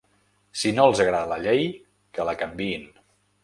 Si no els agrada la llei, que la canviïn.